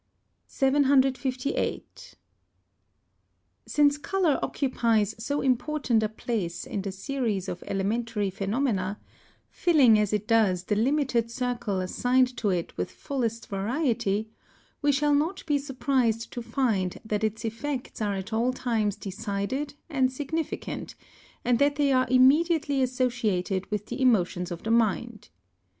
758. Since colour occupies so important a place in the series of elementary phenomena, filling as it does the limited circle assigned to it with fullest variety, we shall not be surprised to find that its effects are at all times decided and significant, and that they are immediately associated with the emotions of the mind.